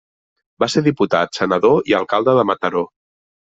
Va ser diputat, senador, i alcalde de Mataró.